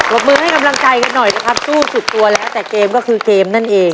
บมือให้กำลังใจกันหน่อยนะครับสู้สุดตัวแล้วแต่เกมก็คือเกมนั่นเอง